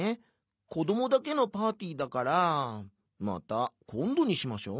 こどもだけのパーティーだからまたこんどにしましょう」。